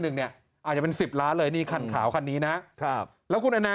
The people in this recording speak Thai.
เนี่ยอาจจะเป็นสิบล้านเลยนี่คันขาวคันนี้นะครับแล้วคุณแอนนา